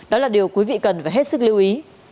đó là điều quý vị cần phải hết sức lưu ý